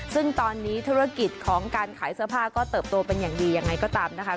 ซึ่งตอนนี้ธุรกิจของการขายเสื้อผ้าก็เติบโตเป็นอย่างดียังไงก็ตามนะคะ